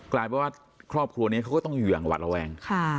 กลายเป็นว่าครอบครัวนี้เขาก็ต้องเหยื่องหวัดระแวง